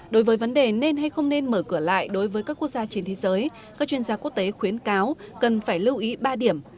đối với vấn đề nên hay không nên mở cửa lại đối với các quốc gia trên thế giới các chuyên gia quốc tế khuyến cáo cần phải lưu ý ba điểm